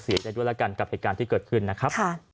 เสียใจด้วยแล้วกันกับเหตุการณ์ที่เกิดขึ้นนะครับ